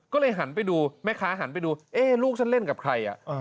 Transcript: ก็เลยหันไปดูแม่ค้าหันไปดูลูกฉันเล่นกับใคร